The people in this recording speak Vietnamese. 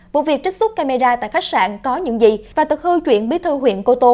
vụ việc trích xuất camera tại khách sạn có những gì và tật hư chuyện bí thư huyện cô tô